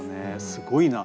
すごいな。